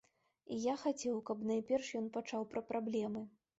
І я хацеў, каб найперш ён пачуў пра праблемы.